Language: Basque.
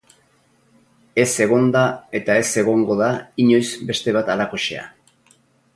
Ez egon da eta ez egongo da inoiz beste bat halakoxea.